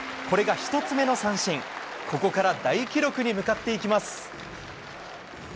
これが１つ目の三振、ここから大記録に向かっていきます。